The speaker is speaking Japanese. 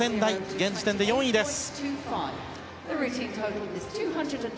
現時点で４位です。